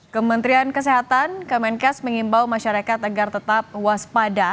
kementerian kesehatan kemenkes mengimbau masyarakat agar tetap waspada